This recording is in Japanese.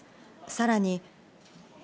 さらに。